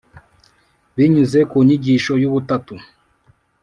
binyuze ku nyigisho y’ubutatu.